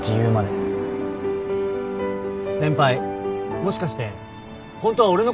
先輩もしかしてホントは俺のこと。